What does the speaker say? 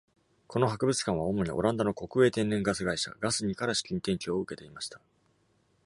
この博物館は主に、オランダの国営天然ガス会社ガスニーから資金提供を受けていました。